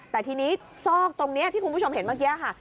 แต่ทีนี้ซอกตรงนี้ที่คุณผู้ชมเห็นเมื่อกี้ค่ะ